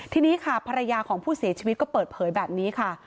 ทีนี้ค่ะภรรยาของผู้เสียชีวิตก็เปิดเผยแบบนี้ค่ะ